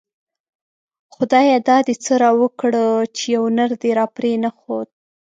خدايه دا دی څه راوکړه ;چی يو نر دی راپری نه ښود